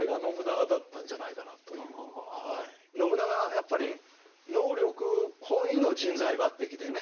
やっぱり能力本位の人材抜てきだよね。